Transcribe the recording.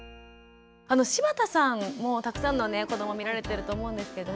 柴田さんもたくさんのね子ども見られてると思うんですけれども。